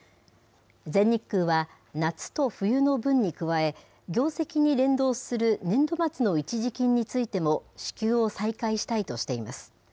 全日空は、夏と冬の分に加え、業績に連動する年度末の一時金についても支給を再開したいとしています。